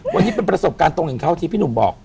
วันนี้เป็นประสบการณ์ตรงของเขาที่พี่หนุ่มบอก